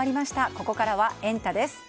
ここからはエンタ！です。